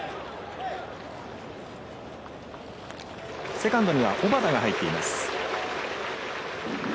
セカンドには小幡が入っています。